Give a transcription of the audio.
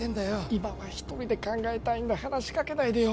今は一人で考えたいんだ話しかけないでよ